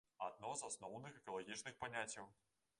Адно з асноўных экалагічных паняццяў.